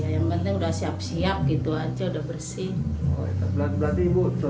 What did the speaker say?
yang penting udah siap siap gitu aja udah bersih